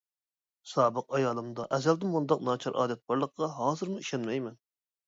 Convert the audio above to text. سابىق ئايالىمدا ئەزەلدىن بۇنداق ناچار ئادەت بارلىقىغا ھازىرمۇ ئىشەنمەيمەن.